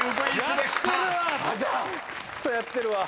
やってるわ。